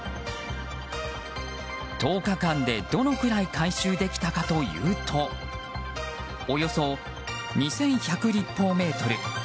１０日間でどのくらい回収できたかというとおよそ２１００立方メートル。